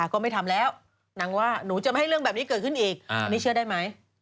ก็ไม่ทำแล้วนางว่าหนูจะไม่ให้เรื่องแบบนี้เกิดขึ้นอีกอันนี้เชื่อได้ไหม